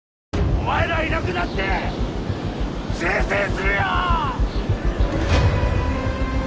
お前らいなくなってせいせいするよ！